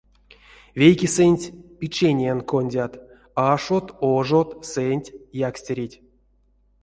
Вейкесэнть печениянь кондят: ашот, ожот, сэнть, якстереть.